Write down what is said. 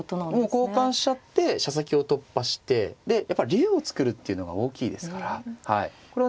もう交換しちゃって飛車先を突破してでやっぱり竜を作るっていうのが大きいですから。